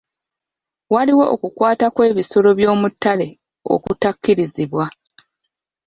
Waliwo okukwata kw'ebisolo by'omu ttale okutakkirizibwa.